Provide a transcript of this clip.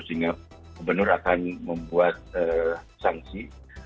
sehingga gubernur akan membuat sanksi